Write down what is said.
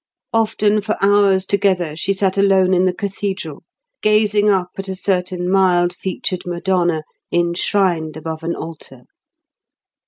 Often for hours together she sat alone in the cathedral, gazing up at a certain mild featured Madonna, enshrined above an altar.